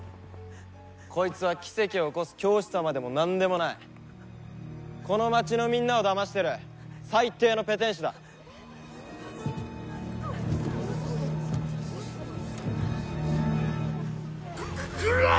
こいつは奇跡を起こす教主様でも何でもないこの街のみんなをだましてる最低のペテン師だ来るな！